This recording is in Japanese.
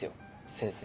先生。